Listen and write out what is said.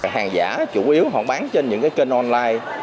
hàng giả chủ yếu bán trên những kênh online